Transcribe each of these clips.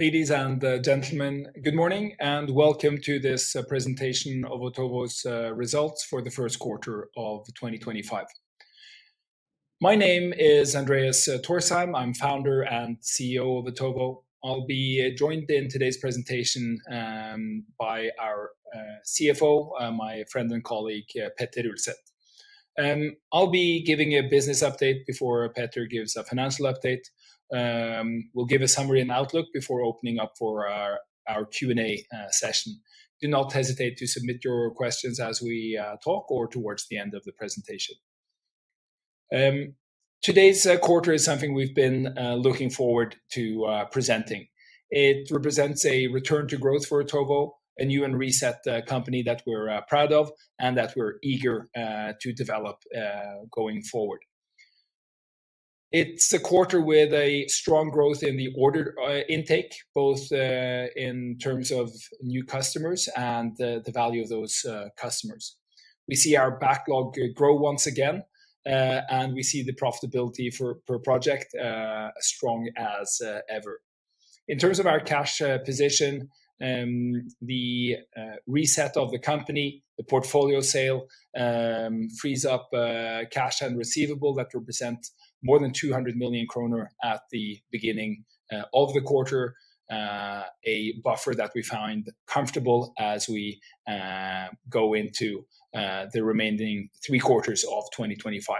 Ladies and gentlemen, good morning and welcome to this presentation of Otovo's results for the first quarter of 2025. My name is Andreas Thorsheim. I'm Founder and CEO of Otovo. I'll be joined in today's presentation by our CFO, my friend and colleague, Petter Ulset. I'll be giving a business update before Petter gives a financial update. We'll give a summary and outlook before opening up for our Q&A session. Do not hesitate to submit your questions as we talk or towards the end of the presentation. Today's quarter is something we've been looking forward to presenting. It represents a return to growth for Otovo, a new and reset company that we're proud of and that we're eager to develop going forward. It's a quarter with a strong growth in the order intake, both in terms of new customers and the value of those customers. We see our backlog grow once again, and we see the profitability per project as strong as ever. In terms of our cash position, the reset of the company, the portfolio sale, frees up cash and receivable that represent more than 200 million kroner at the beginning of the quarter, a buffer that we find comfortable as we go into the remaining three quarters of 2025.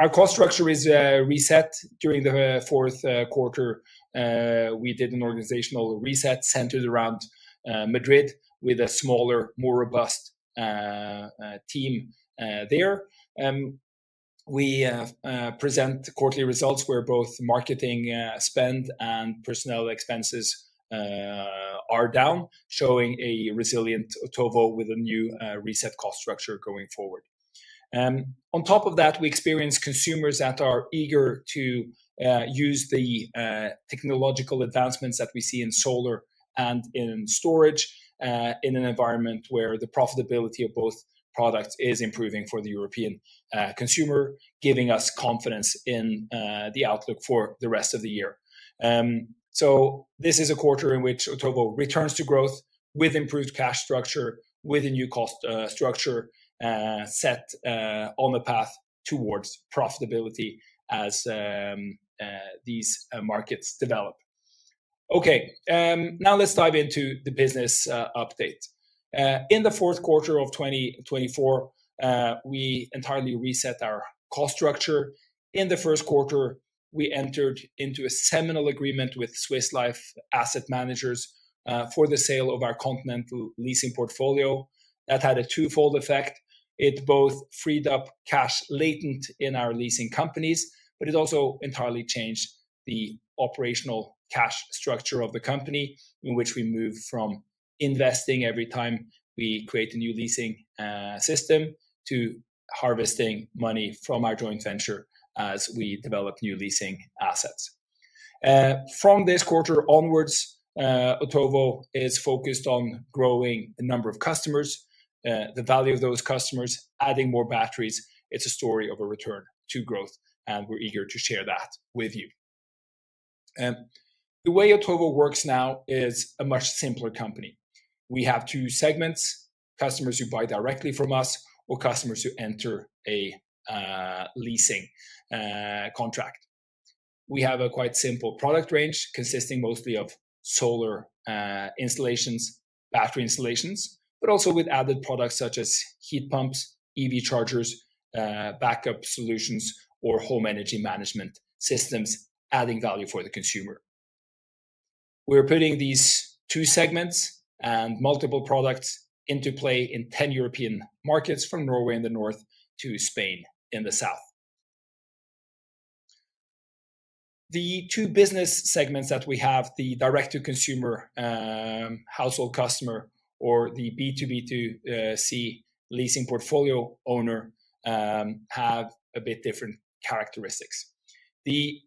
Our cost structure is reset during the fourth quarter. We did an organizational reset centered around Madrid with a smaller, more robust team there. We present quarterly results where both marketing spend and personnel expenses are down, showing a resilient Otovo with a new reset cost structure going forward. On top of that, we experience consumers that are eager to use the technological advancements that we see in solar and in storage in an environment where the profitability of both products is improving for the European consumer, giving us confidence in the outlook for the rest of the year. This is a quarter in which Otovo returns to growth with improved cash structure, with a new cost structure set on the path towards profitability as these markets develop. Okay, now let's dive into the business update. In the fourth quarter of 2024, we entirely reset our cost structure. In the first quarter, we entered into a seminal agreement with Swiss Life Asset Managers for the sale of our continental leasing portfolio. That had a twofold effect. It both freed up cash latent in our leasing companies, but it also entirely changed the operational cash structure of the company in which we move from investing every time we create a new leasing system to harvesting money from our joint venture as we develop new leasing assets. From this quarter onwards, Otovo is focused on growing the number of customers, the value of those customers, adding more batteries. It's a story of a return to growth, and we're eager to share that with you. The way Otovo works now is a much simpler company. We have two segments: customers who buy directly from us or customers who enter a leasing contract. We have a quite simple product range consisting mostly of solar installations, battery installations, but also with added products such as heat pumps, EV chargers, backup solutions, or home energy management systems, adding value for the consumer. We're putting these two segments and multiple products into play in 10 European markets, from Norway in the north to Spain in the south. The two business segments that we have, the direct-to-consumer, household customer, or the B2B2C leasing portfolio owner, have a bit different characteristics. The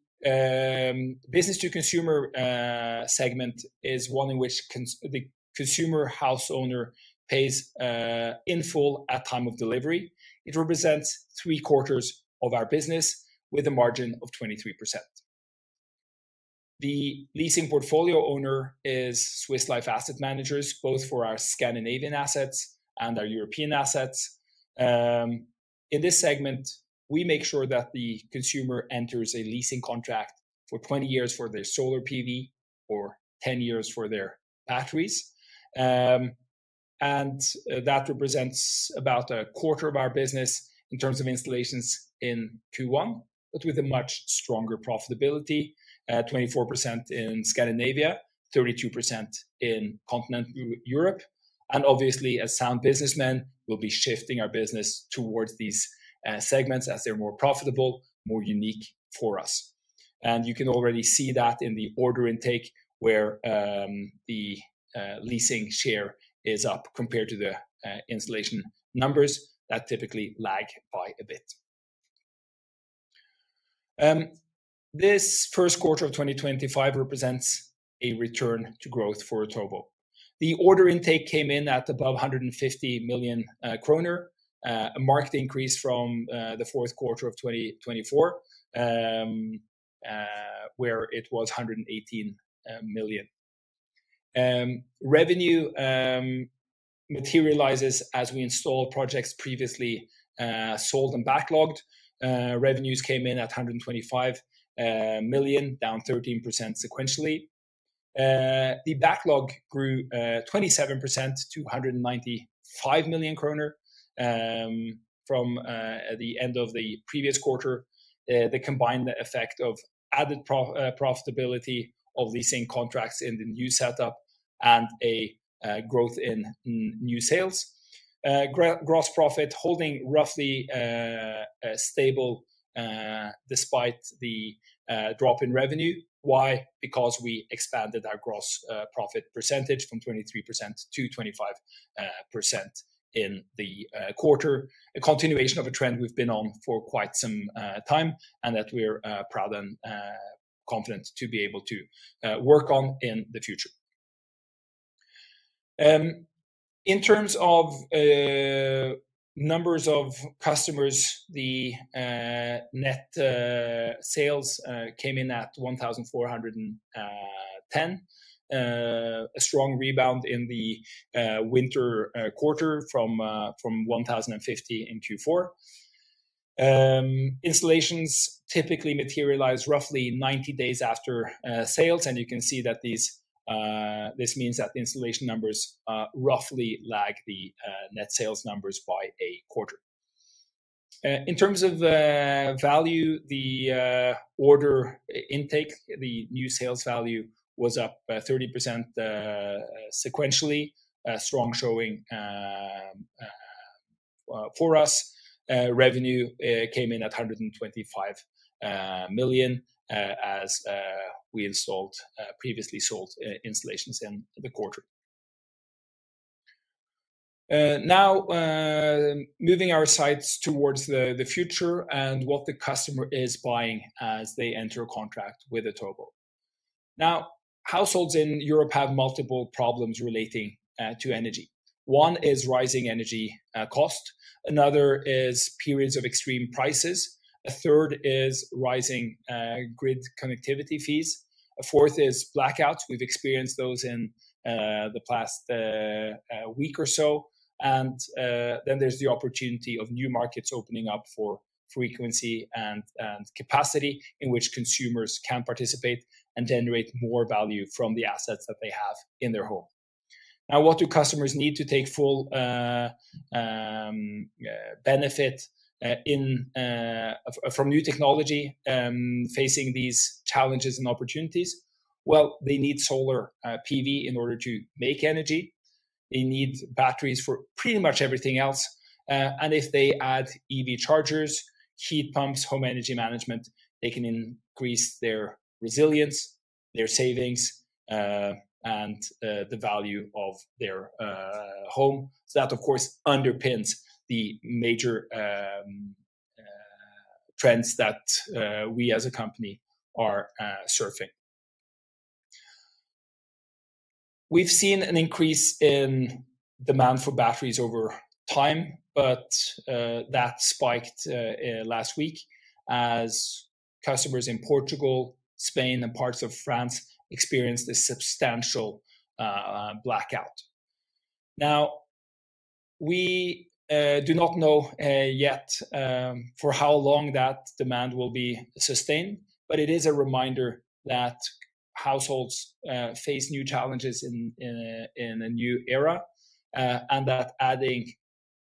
business-to-consumer segment is one in which the consumer house owner pays in full at time of delivery. It represents three quarters of our business with a margin of 23%. The leasing portfolio owner is Swiss Life Asset Managers, both for our Scandinavian assets and our European assets. In this segment, we make sure that the consumer enters a leasing contract for 20 years for their solar PV or 10 years for their batteries. That represents about a quarter of our business in terms of installations in Q1, but with a much stronger profitability: 24% in Scandinavia, 32% in continental Europe. Obviously, as sound businessmen, we'll be shifting our business towards these segments as they're more profitable, more unique for us. You can already see that in the order intake where the leasing share is up compared to the installation numbers that typically lag by a bit. This first quarter of 2025 represents a return to growth for Otovo. The order intake came in at above 150 million kroner, a marked increase from the fourth quarter of 2024 where it was 118 million. Revenue materializes as we install projects previously sold and backlogged. Revenues came in at 125 million, down 13% sequentially. The backlog grew 27% to 195 million kroner from the end of the previous quarter. That combined the effect of added profitability of leasing contracts in the new setup and a growth in new sales. Gross profit holding roughly stable despite the drop in revenue. Why? Because we expanded our gross profit percentage from 23% to 25% in the quarter, a continuation of a trend we've been on for quite some time and that we're proud and confident to be able to work on in the future. In terms of numbers of customers, the net sales came in at 1,410, a strong rebound in the winter quarter from 1,050 in Q4. Installations typically materialize roughly 90 days after sales, and you can see that this means that the installation numbers roughly lag the net sales numbers by a quarter. In terms of value, the order intake, the new sales value was up 30% sequentially, strong showing for us. Revenue came in at 125 million as we installed previously sold installations in the quarter. Now, moving our sights towards the future and what the customer is buying as they enter a contract with Otovo. Now, households in Europe have multiple problems relating to energy. One is rising energy costs. Another is periods of extreme prices. A third is rising grid connectivity fees. A fourth is blackouts. We have experienced those in the past week or so. There is the opportunity of new markets opening up for frequency and capacity in which consumers can participate and generate more value from the assets that they have in their home. Now, what do customers need to take full benefit from new technology facing these challenges and opportunities? They need solar PV in order to make energy. They need batteries for pretty much everything else. If they add EV chargers, heat pumps, home energy management, they can increase their resilience, their savings, and the value of their home. That, of course, underpins the major trends that we as a company are surfing. We've seen an increase in demand for batteries over time, but that spiked last week as customers in Portugal, Spain, and parts of France experienced a substantial blackout. Now, we do not know yet for how long that demand will be sustained, but it is a reminder that households face new challenges in a new era and that adding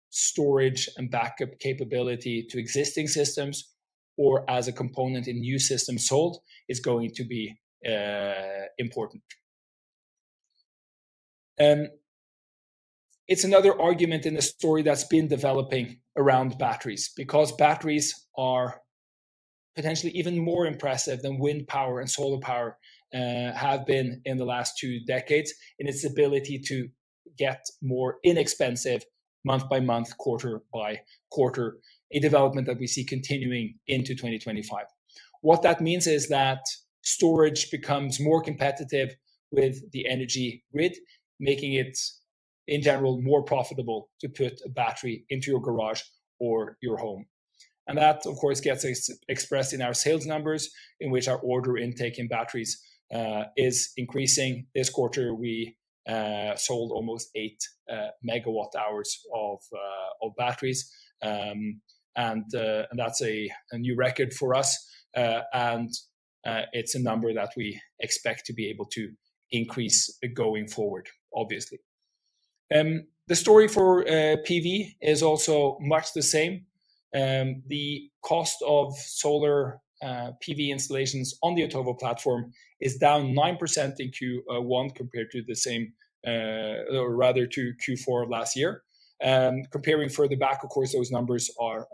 storage and backup capability to existing systems or as a component in new systems sold is going to be important. It's another argument in the story that's been developing around batteries because batteries are potentially even more impressive than wind power and solar power have been in the last two decades in its ability to get more inexpensive month by month, quarter by quarter, a development that we see continuing into 2025. What that means is that storage becomes more competitive with the energy grid, making it in general more profitable to put a battery into your garage or your home. That, of course, gets expressed in our sales numbers in which our order intake in batteries is increasing. This quarter, we sold almost 8 MWh of batteries, and that's a new record for us. It's a number that we expect to be able to increase going forward, obviously. The story for PV is also much the same. The cost of solar PV installations on the Otovo platform is down 9% in Q1 compared to the same, or rather to Q4 of last year. Comparing further back, of course, those numbers are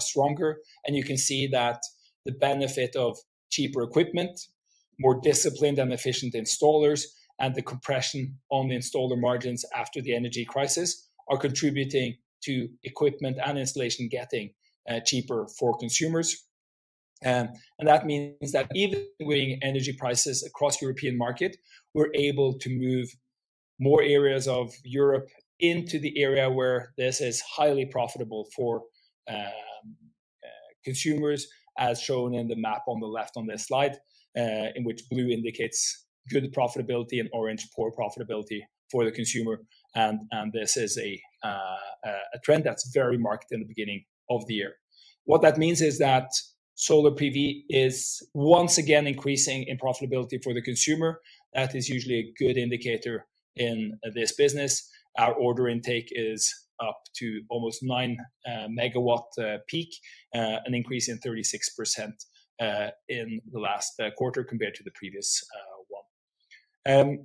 stronger. You can see that the benefit of cheaper equipment, more disciplined and efficient installers, and the compression on the installer margins after the energy crisis are contributing to equipment and installation getting cheaper for consumers. That means that even with energy prices across the European market, we are able to move more areas of Europe into the area where this is highly profitable for consumers, as shown in the map on the left on this slide, in which blue indicates good profitability and orange poor profitability for the consumer. This is a trend that is very marked in the beginning of the year. What that means is that solar PV is once again increasing in profitability for the consumer. That is usually a good indicator in this business. Our order intake is up to almost nine megawatt peak, an increase in 36% in the last quarter compared to the previous one.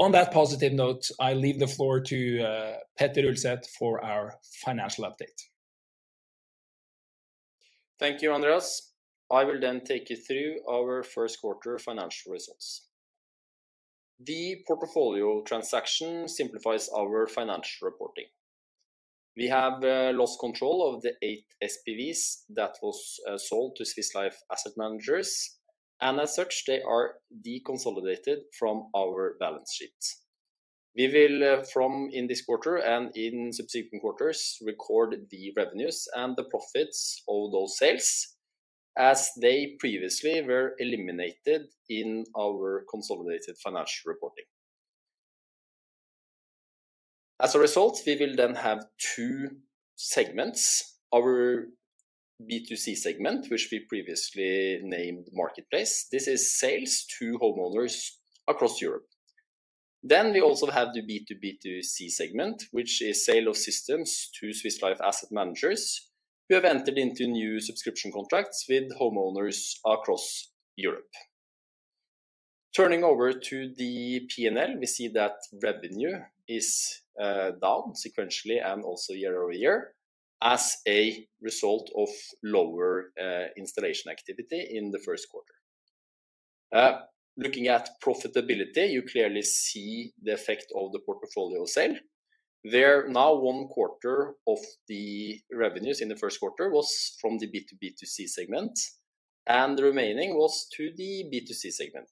On that positive note, I leave the floor to Petter Ulset for our financial update. Thank you, Andreas. I will then take you through our first quarter financial results. The portfolio transaction simplifies our financial reporting. We have lost control of the eight SPVs that were sold to Swiss Life Asset Managers, and as such, they are deconsolidated from our balance sheets. We will, from in this quarter and in subsequent quarters, record the revenues and the profits of those sales as they previously were eliminated in our consolidated financial reporting. As a result, we will then have two segments: our B2C segment, which we previously named Marketplace. This is sales to homeowners across Europe. We also have the B2B2C segment, which is sale of systems to Swiss Life Asset Managers who have entered into new subscription contracts with homeowners across Europe. Turning over to the P&L, we see that revenue is down sequentially and also year-over-year as a result of lower installation activity in the first quarter. Looking at profitability, you clearly see the effect of the portfolio sale. Now, one quarter of the revenues in the first quarter was from the B2B2C segment, and the remaining was to the B2C segment.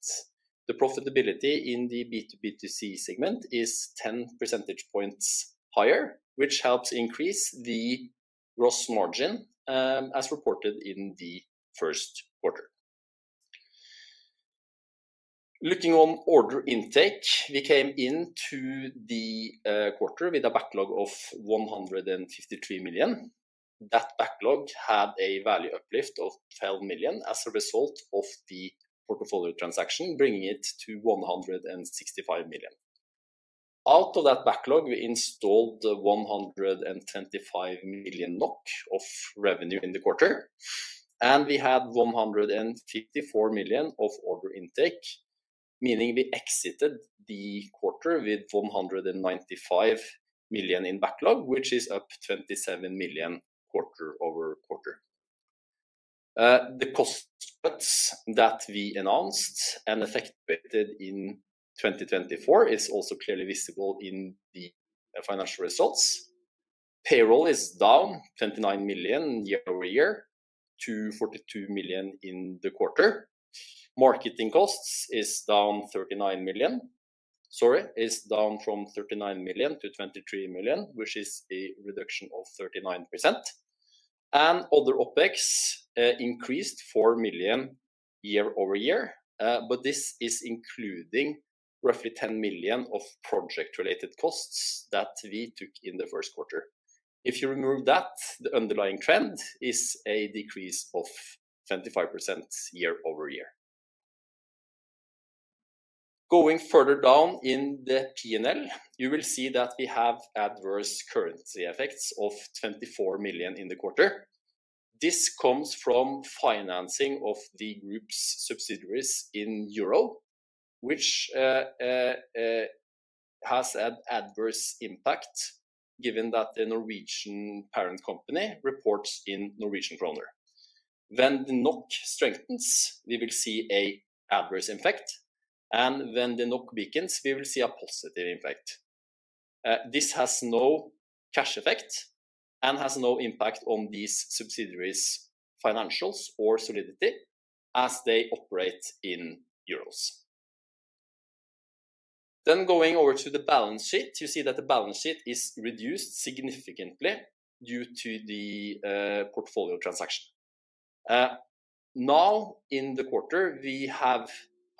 The profitability in the B2B2C segment is 10 percentage points higher, which helps increase the gross margin as reported in the first quarter. Looking on order intake, we came into the quarter with a backlog of 153 million. That backlog had a value uplift of 12 million as a result of the portfolio transaction, bringing it to 165 million. Out of that backlog, we installed 125 million NOK of revenue in the quarter, and we had 154 million of order intake, meaning we exited the quarter with 195 million in backlog, which is up 27 million quarter-over-quarter. The costs that we announced and effectuated in 2024 are also clearly visible in the financial results. Payroll is down 29 million year-over-year to 42 million in the quarter. Marketing costs is down from 39 million to 23 million, which is a reduction of 39%. Other OpEx increased 4 million year-over-year, but this is including roughly 10 million of project-related costs that we took in the first quarter. If you remove that, the underlying trend is a decrease of 25% year-over-year. Going further down in the P&L, you will see that we have adverse currency effects of 24 million in the quarter. This comes from financing of the group's subsidiaries in Europe, which has an adverse impact given that the Norwegian parent company reports in Norwegian kroner. When the krone strengthens, we will see an adverse effect, and when the krone weakens, we will see a positive impact. This has no cash effect and has no impact on these subsidiaries' financials or solidity as they operate in Euros. Going over to the balance sheet, you see that the balance sheet is reduced significantly due to the portfolio transaction. Now, in the quarter,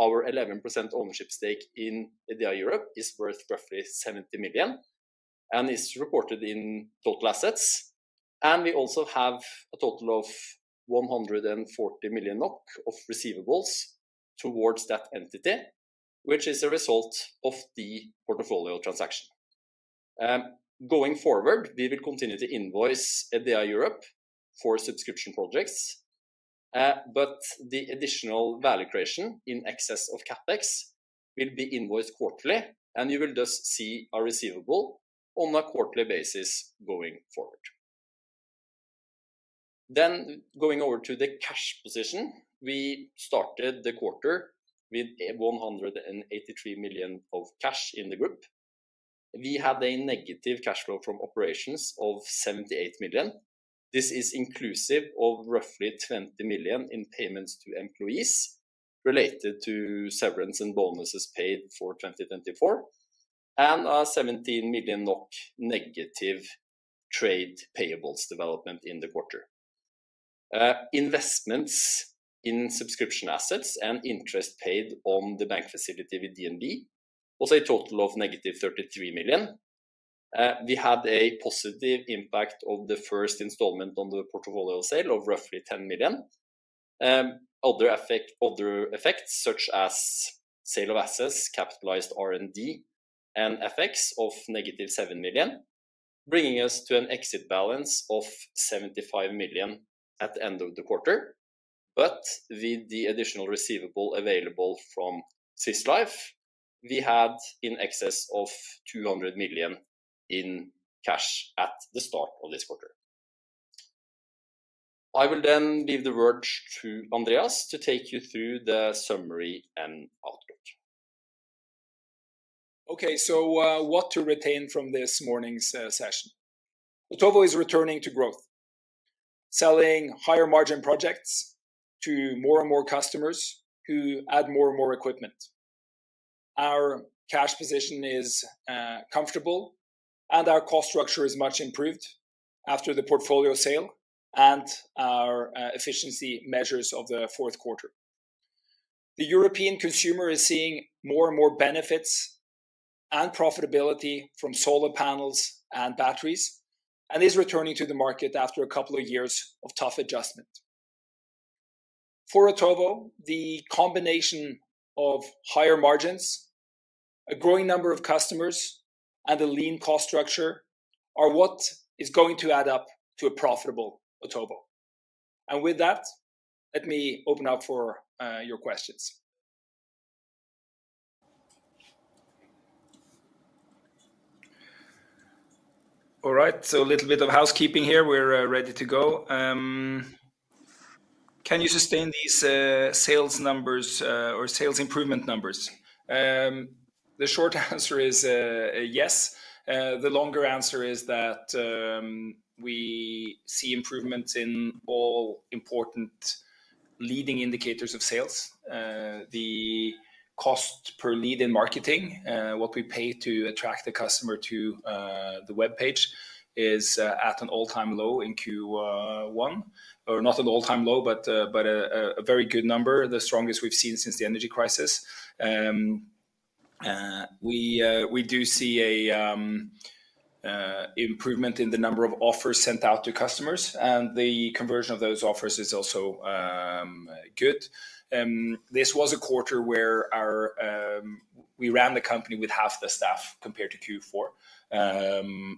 our 11% ownership stake in EDEA Europe is worth roughly 70 million and is reported in total assets. We also have a total of 140 million NOK of receivables towards that entity, which is a result of the portfolio transaction. Going forward, we will continue to invoice EDEA Europe for subscription projects, but the additional value creation in excess of CapEx will be invoiced quarterly, and you will thus see a receivable on a quarterly basis going forward. Going over to the cash position, we started the quarter with 183 million of cash in the group. We had a negative cash flow from operations of 78 million. This is inclusive of roughly 20 million in payments to employees related to severance and bonuses paid for 2024, and a 17 million NOK negative trade payables development in the quarter. Investments in subscription assets and interest paid on the bank facility with DNB was a total of negative 33 million. We had a positive impact of the first installment on the portfolio sale of roughly 10 million. Other effects, such as sale of assets, capitalized R&D, and FX of negative 7 million, bringing us to an exit balance of 75 million at the end of the quarter. With the additional receivable available from Swiss Life, we had in excess of 200 million in cash at the start of this quarter. I will then leave the word to Andreas to take you through the summary and outlook. Okay, so what to retain from this morning's session? Otovo is returning to growth, selling higher margin projects to more and more customers who add more and more equipment. Our cash position is comfortable, and our cost structure is much improved after the portfolio sale and our efficiency measures of the fourth quarter. The European consumer is seeing more and more benefits and profitability from solar panels and batteries, and is returning to the market after a couple of years of tough adjustment. For Otovo, the combination of higher margins, a growing number of customers, and a lean cost structure are what is going to add up to a profitable Otovo. Let me open up for your questions. All right, a little bit of housekeeping here. We are ready to go. Can you sustain these sales numbers or sales improvement numbers? The short answer is yes. The longer answer is that we see improvements in all important leading indicators of sales. The cost per lead in marketing, what we pay to attract the customer to the webpage, is at an all-time low in Q1, or not an all-time low, but a very good number, the strongest we've seen since the energy crisis. We do see an improvement in the number of offers sent out to customers, and the conversion of those offers is also good. This was a quarter where we ran the company with half the staff compared to Q4,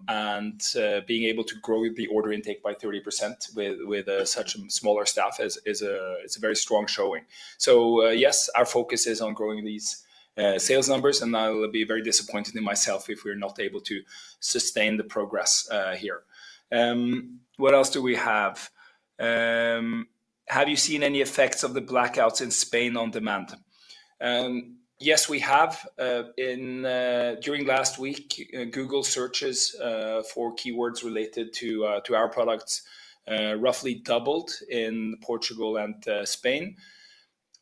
and being able to grow the order intake by 30% with such a smaller staff is a very strong showing. Yes, our focus is on growing these sales numbers, and I'll be very disappointed in myself if we're not able to sustain the progress here. What else do we have? Have you seen any effects of the blackouts in Spain on demand? Yes, we have. During last week, Google searches for keywords related to our products roughly doubled in Portugal and Spain.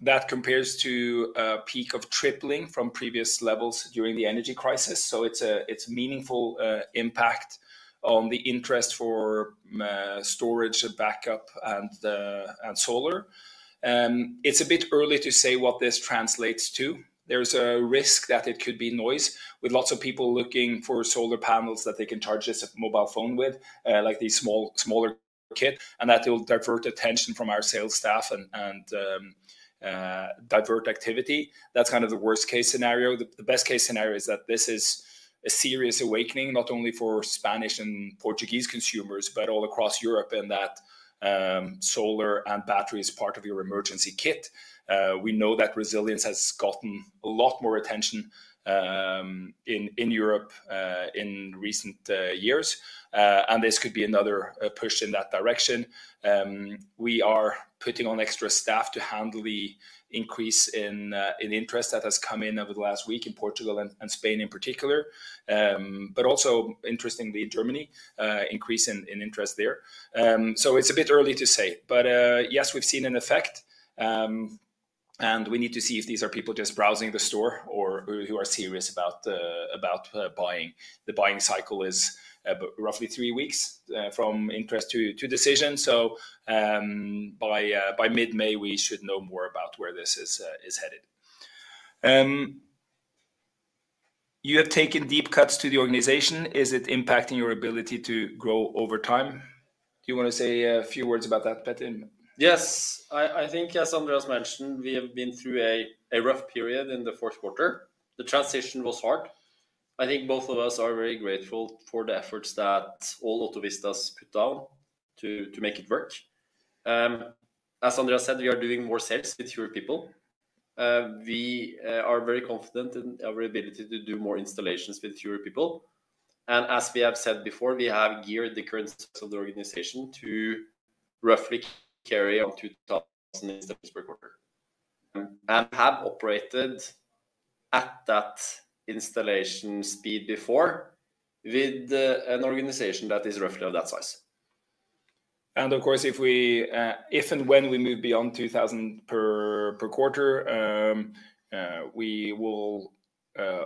That compares to a peak of tripling from previous levels during the energy crisis. It is a meaningful impact on the interest for storage and backup and solar. It is a bit early to say what this translates to. There is a risk that it could be noise with lots of people looking for solar panels that they can charge this mobile phone with, like these smaller kits, and that it will divert attention from our sales staff and divert activity. That is kind of the worst-case scenario. The best-case scenario is that this is a serious awakening, not only for Spanish and Portuguese consumers, but all across Europe in that solar and battery is part of your emergency kit. We know that resilience has gotten a lot more attention in Europe in recent years, and this could be another push in that direction. We are putting on extra staff to handle the increase in interest that has come in over the last week in Portugal and Spain in particular, but also, interestingly, Germany, increase in interest there. It is a bit early to say, but yes, we have seen an effect, and we need to see if these are people just browsing the store or who are serious about buying. The buying cycle is roughly three weeks from interest to decision. By mid-May, we should know more about where this is headed. You have taken deep cuts to the organization. Is it impacting your ability to grow over time? Do you want to say a few words about that, Petter? Yes. I think, as Andreas mentioned, we have been through a rough period in the fourth quarter. The transition was hard. I think both of us are very grateful for the efforts that all Otovistas put down to make it work. As Andreas said, we are doing more sales with fewer people. We are very confident in our ability to do more installations with fewer people. As we have said before, we have geared the current steps of the organization to roughly carry on 2,000 installations per quarter and have operated at that installation speed before with an organization that is roughly of that size. Of course, if and when we move beyond 2,000 per quarter, we will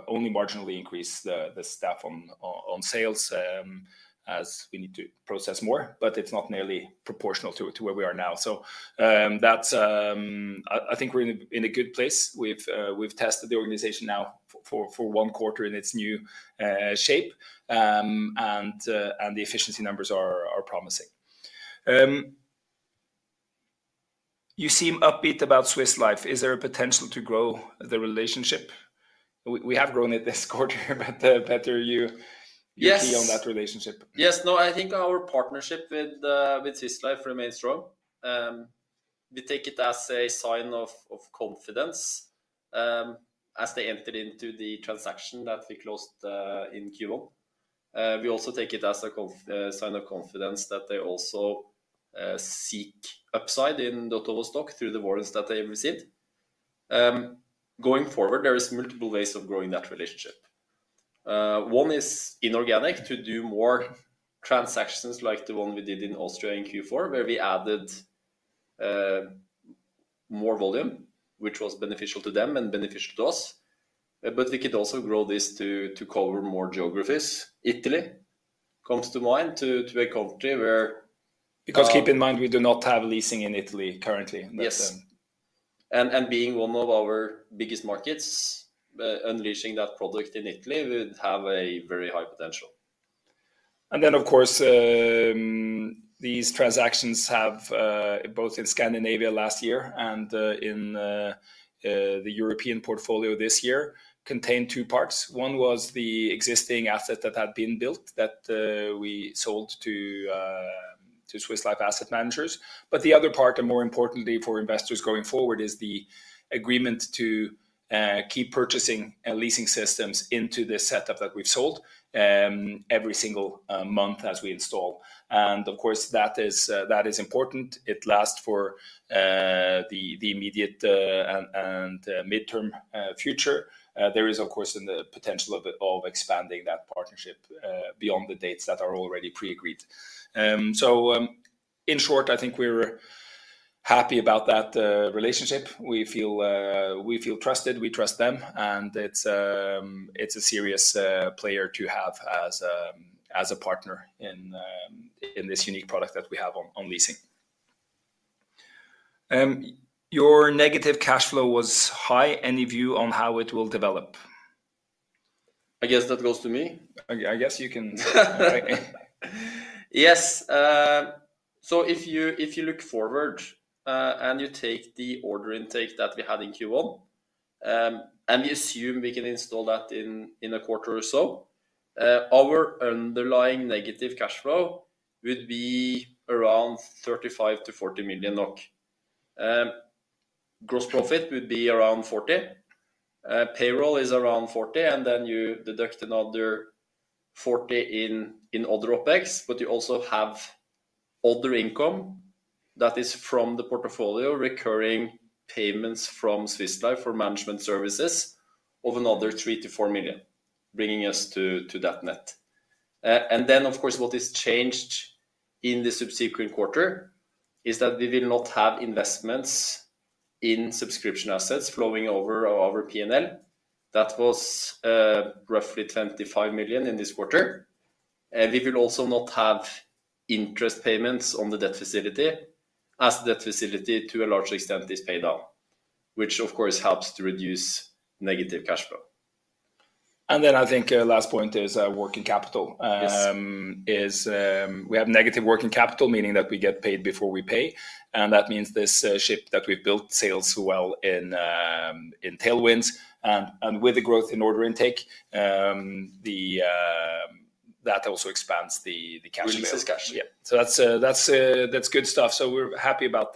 only marginally increase the staff on sales as we need to process more, but it is not nearly proportional to where we are now. I think we are in a good place. We've tested the organization now for one quarter in its new shape, and the efficiency numbers are promising. You seem upbeat about Swiss Life. Is there a potential to grow the relationship? We have grown it this quarter, but Petter, you see on that relationship? Yes. No, I think our partnership with Swiss Life remains strong. We take it as a sign of confidence as they enter into the transaction that we closed in Q1. We also take it as a sign of confidence that they also seek upside in the Otovo stock through the warrants that they received. Going forward, there are multiple ways of growing that relationship. One is inorganic to do more transactions like the one we did in Austria in Q4, where we added more volume, which was beneficial to them and beneficial to us. We could also grow this to cover more geographies. Italy comes to mind as a country where, because keep in mind, we do not have leasing in Italy currently. Yes. And being one of our biggest markets, unleashing that product in Italy would have a very high potential. Of course, these transactions have both in Scandinavia last year and in the European portfolio this year contained two parts. One was the existing asset that had been built that we sold to Swiss Life Asset Managers. The other part, and more importantly for investors going forward, is the agreement to keep purchasing and leasing systems into this setup that we've sold every single month as we install. Of course, that is important. It lasts for the immediate and midterm future. There is, of course, the potential of expanding that partnership beyond the dates that are already pre-agreed. In short, I think we're happy about that relationship. We feel trusted. We trust them. It is a serious player to have as a partner in this unique product that we have on leasing. Your negative cash flow was high. Any view on how it will develop? I guess that goes to me. I guess you can. Yes. If you look forward and you take the order intake that we had in Q1, and we assume we can install that in a quarter or so, our underlying negative cash flow would be around 35 million-40 million NOK. Gross profit would be around 40 million. Payroll is around 40 million, and then you deduct another 40 million in other OpEx, but you also have other income that is from the portfolio, recurring payments from Swiss Life for management services of another 3 million-4 million, bringing us to that net. Of course, what has changed in the subsequent quarter is that we will not have investments in subscription assets flowing over our P&L. That was roughly 25 million in this quarter. We will also not have interest payments on the debt facility as the debt facility to a large extent is paid down, which helps to reduce negative cash flow. I think the last point is working capital. We have negative working capital, meaning that we get paid before we pay. That means this ship that we've built sails well in tailwinds. With the growth in order intake, that also expands the cash flow. We lose cash. Yeah. That's good stuff. We're happy about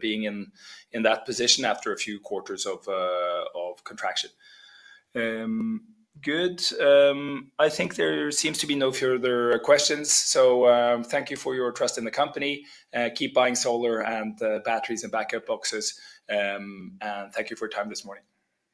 being in that position after a few quarters of contraction. Good. I think there seems to be no further questions. Thank you for your trust in the company. Keep buying solar and batteries and backup boxes. Thank you for your time this morning.